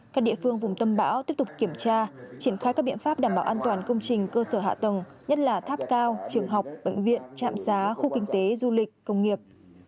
các địa phương vùng tâm bão tiếp tục kiểm tra triển khai các biện pháp đảm bảo an toàn công trình cơ sở hạ tầng nhất là tháp cao trường học bệnh viện trạm xá khu kinh tế du lịch công nghiệp